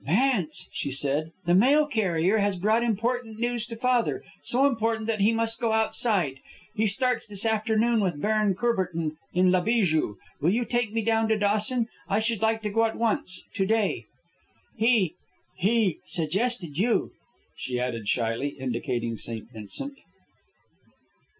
"Vance," she said, "the mail carrier has brought important news to father, so important that he must go outside. He starts this afternoon with Baron Courbertin in La Bijou. Will you take me down to Dawson? I should like to go at once, to day. "He ... he suggested you," she added shyly, indicating St. Vincent.